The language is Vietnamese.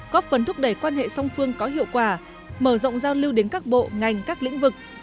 góp phần thúc đẩy quan hệ song phương có hiệu quả mở rộng giao lưu đến các bộ ngành các lĩnh vực